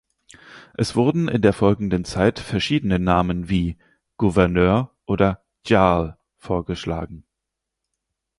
Es wurden in der folgenden Zeit verschiedene Namen wie „Gouverneur“ oder „Jarl“ vorgeschlagen.